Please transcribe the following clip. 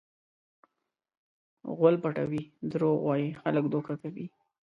غول پټوي؛ دروغ وایي؛ خلک دوکه کوي.